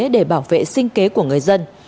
để bảo vệ sinh kế của người dân